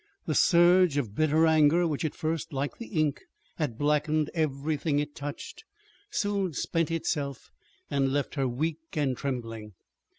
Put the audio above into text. The surge of bitter anger which at first, like the ink, had blackened everything it touched, soon spent itself, and left her weak and trembling.